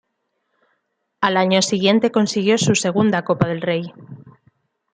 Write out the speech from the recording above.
Al año siguiente consiguió su segunda Copa del Rey.